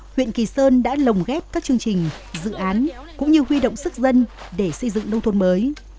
huyện kỳ sơn đã lồng ghép các chương trình dự án cũng như huy động sức dân để xây dựng nông thôn mới